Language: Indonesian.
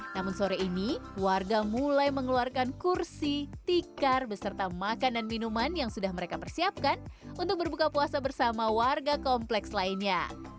namun sore ini warga mulai mengeluarkan kursi tikar beserta makan dan minuman yang sudah mereka persiapkan untuk berbuka puasa bersama warga kompleks lainnya